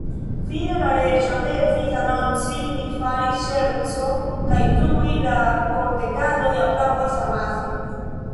Fine la Reĝo devis anonci "Mi faris ŝercon," kajtuj la korteganoj aplaŭdis amase.